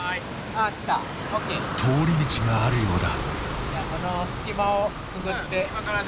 通り道があるようだ。